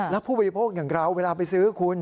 แล้วผู้บริโภคอย่างเราเวลาไปซื้อคุณ